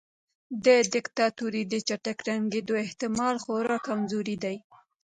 د دیکتاتورۍ د چټک ړنګیدو احتمال خورا کمزوری دی.